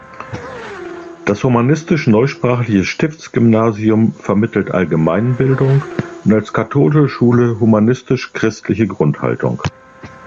Das humanistisch-neusprachliche Stiftsgymnasium vermittelt Allgemeinbildung und als katholische Schule humanistisch-christliche Grundhaltungen.